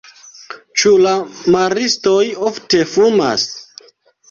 Ĉu la maristoj ofte fumas?